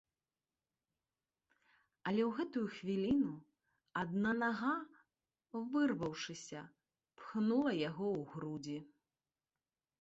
Але ў гэтую хвіліну адна нага, вырваўшыся, пхнула яго ў грудзі.